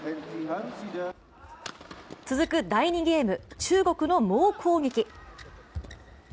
続く第２ゲーム、中国の猛攻撃。